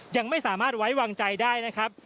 ยังไม่สามารถไว้วางใจได้นะครับ